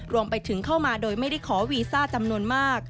รวมไปถึงเข้ามาโดยไม่ได้ขอวีซ่าจำนวนมาก